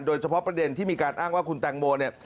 โดยเฉพาะประเด็นที่มีการอ้างว่าคุณแตงโมเนี่ย